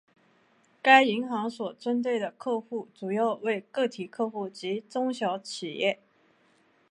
该银行所针对的客户主要为个体客户及中小企业。